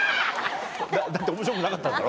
だって面白くなかったんだろ？